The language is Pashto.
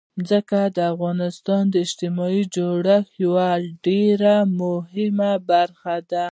ځمکه د افغانستان د اجتماعي جوړښت یوه ډېره مهمه برخه ده.